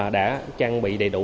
đã trang bị đầy đủ